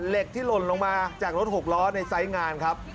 เหล็กที่หล่นลงมาจากรถหกล้อในไซส์งานครับ